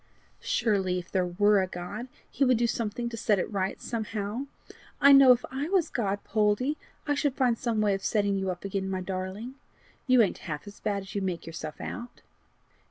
"Surely if there were a God, he would do something to set it right somehow! I know if I was God, Poldie, I should find some way of setting you up again, my darling. You ain't half as bad as you make yourself out."